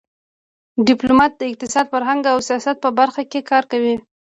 ډيپلومات د اقتصاد، فرهنګ او سیاست په برخه کې کار کوي.